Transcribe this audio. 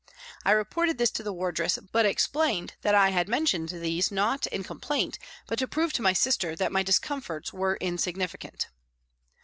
I reported this to the wardress, but explained that I had mentioned these not in complaint but to prove to my sister that my discomforts were insignificant.